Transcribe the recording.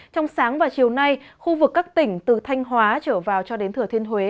trong sáng và chiều nay khu vực các tỉnh từ thanh hóa trở vào cho đến thừa thiên huế